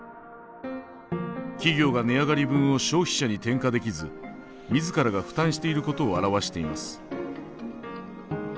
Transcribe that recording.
企業が値上がり分を消費者に転嫁できず自らが負担していることを表しています。